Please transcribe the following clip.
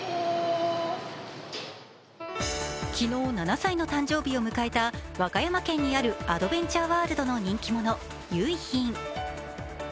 昨日、７歳の誕生日を迎えた和歌山県にあるアドベンチャーワールドの人気者結浜。